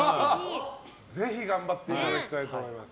ぜひ頑張っていただきたいと思います。